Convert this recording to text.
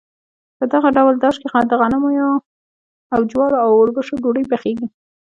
په دغه ډول داش کې د غنمو، جوارو او اوربشو ډوډۍ پخیږي.